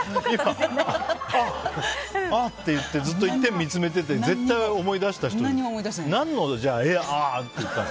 あって言ってずっと一点を見つめてて絶対、思い出した人じゃん。